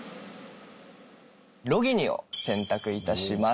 ロギニを選択いたします。